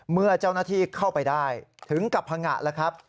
เมื่อเจ้านาธิเข้าไปได้ถึงกับพังงะละครับ